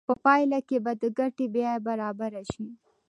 په پایله کې به د ګټې بیه برابره شي